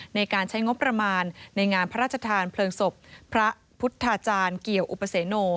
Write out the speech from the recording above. ในการใช้งบประมาณในงานพระราชทานเพลิงศพพระพุทธาจารย์เกี่ยวอุปเสโน